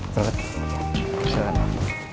seret silahkan pak